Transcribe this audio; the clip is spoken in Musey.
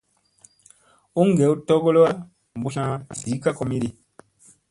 U ngew togolora mbutlna zi ka komiɗi.